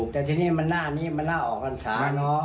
แต่ที่นี่มันหน้านี่มันหน้าออกกันสาเนาะ